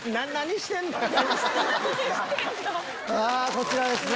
こちらですね。